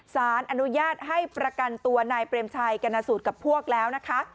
สารอนุญาตให้ประกันตัวนายเปรมชัยกรณสูตรกับพวกแล้วนะคะ